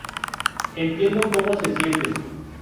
Entiendo cómo se sienten"